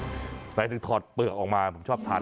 หมายถึงถอดเปลือกออกมาผมชอบทาน